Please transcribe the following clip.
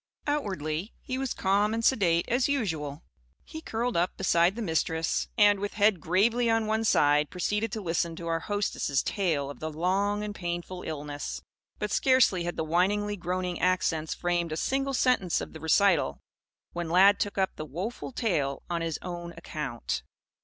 Outwardly, he was calm and sedate, as usual. He curled up beside the Mistress, and, with head gravely on one side, proceeded to listen to our hostess' tale of the long and painful illness. But, scarcely had the whiningly groaning accents framed a single sentence of the recital, when Lad took up the woful tale on his own account.